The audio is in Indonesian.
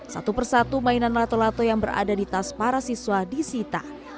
satu persatu mainan lato lato yang berada di tas para siswa disita